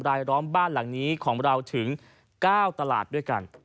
รายล้อมบ้านหลังนี้ของเราถึง๙ตลาดด้วยกัน